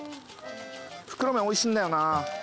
袋麺おいしいんだよな。